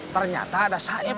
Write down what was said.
ternyata ada saif dari kisah eeb